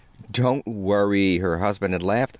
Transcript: "Don't worry," her husband had laughed.